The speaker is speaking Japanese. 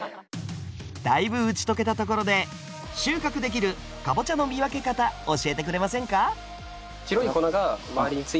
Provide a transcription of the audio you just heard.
だいぶ打ち解けたところで収穫できるカボチャの見分け方教えてくれませんか？